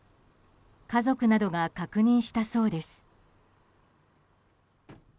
家族などが確認したそうです。